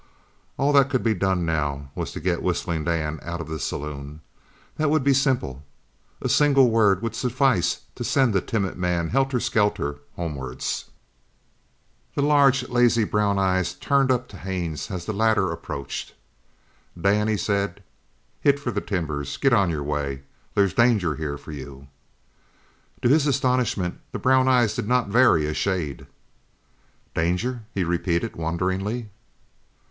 All that could be done now was to get Whistling Dan out of the saloon. That would be simple. A single word would suffice to send the timid man helter skelter homewards. The large, lazy brown eyes turned up to Haines as the latter approached. "Dan," he said, "hit for the timbers get on your way there's danger here for you!" To his astonishment the brown eyes did not vary a shade. "Danger?" he repeated wonderingly.